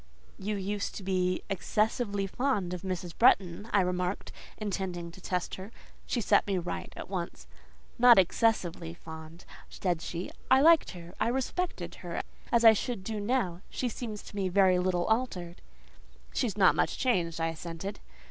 "You used to be excessively fond of Mrs. Bretton," I remarked, intending to test her. She set me right at once. "Not excessively fond," said she; "I liked her: I respected her as I should do now: she seems to me very little altered." "She is not much changed," I assented.